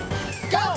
ＧＯ！